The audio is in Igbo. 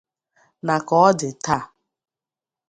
na ka ọ dị taa